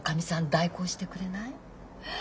代行してくれない？